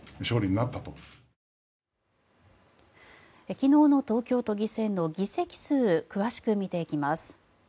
昨日の東京都議選の議席数を詳しく見ていきます。